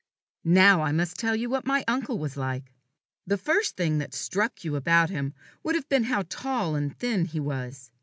Now I must tell you what my uncle was like. The first thing that struck you about him would have been, how tall and thin he was.